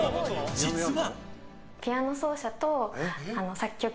実は。